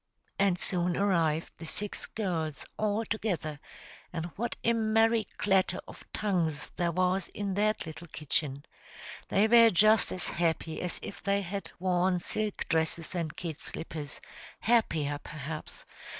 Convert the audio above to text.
And soon arrived the six girls all together; and what a merry clatter of tongues there was in that little kitchen! They were just as happy as if they had worn silk dresses and kid slippers happier, perhaps.